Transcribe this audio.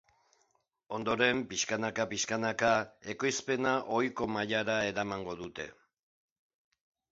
Ondoren, pixkanaka-pixkanaka ekoizpena ohiko mailara eramango dute.